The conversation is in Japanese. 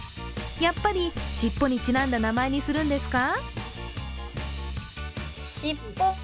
やっぱり、尻尾にちなんだ名前にするんですか？